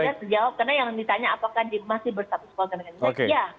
kira kira terjawab karena yang ditanya apakah dia masih bersatu sekolah negara indonesia